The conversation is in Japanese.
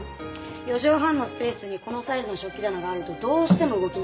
４畳半のスペースにこのサイズの食器棚があるとどうしても動きにくい。